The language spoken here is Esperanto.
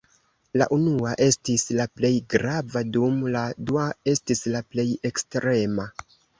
La unua estis la plej grava dum la dua estis la plej ekstrema.